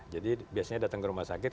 jadi biasanya datang ke rumah sakit